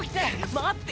待って！